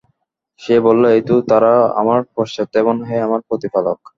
সে বলল, এই তো তারা আমার পশ্চাতে এবং হে আমার প্রতিপালক!